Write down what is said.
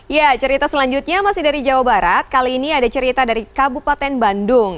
ya cerita selanjutnya masih dari jawa barat kali ini ada cerita dari kabupaten bandung